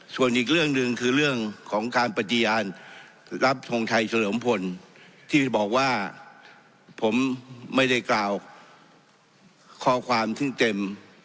ส่วนอีกเรื่องหนึ่งคือเรื่องของการปฏิญาณรับทงชัยเฉลิมพลที่บอกว่าผมไม่ได้กล่าวข้อความซึ่งเต็ม